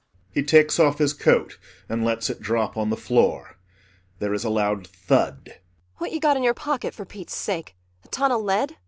[He takes off his coat and lets it drop on the floor. There is a loud thud.] ANNA [With a start.] What you got in your pocket, for Pete's sake a ton of lead?